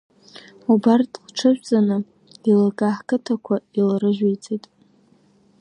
Убарҭ лҽыжәҵаны, илага ҳқыҭақуа иларыжәиҵеит.